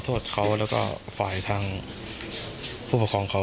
แต่ไม่ได้ว่าเอาหน้าเขาไปทิ้มกับท่อนะครับ